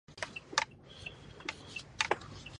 د توضیح لپاره شا ته لاړ شو